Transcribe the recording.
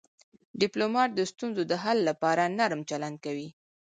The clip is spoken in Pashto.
ډيپلومات د ستونزو د حل لپاره نرم چلند کوي.